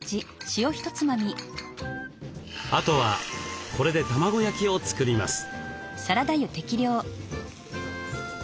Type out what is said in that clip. あとはこれで卵焼きを作ります。